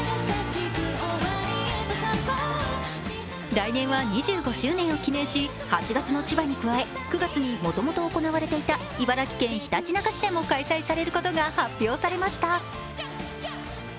来年は２５周年を記念し、８月の千葉に加え９月にもともと行われていた茨城県ひたちなか市でも開催されることが発表されました。